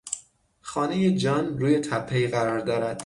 خانهی جان روی تپهای قرار دارد.